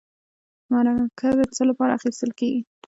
مرکه د څه لپاره اخیستل کیږي؟